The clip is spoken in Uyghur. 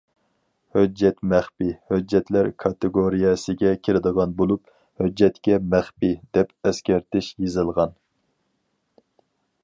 ھۆججەت مەخپىي ھۆججەتلەر كاتېگورىيەسىگە كىرىدىغان بولۇپ، ھۆججەتكە «مەخپىي» دەپ ئەسكەرتىش يېزىلغان.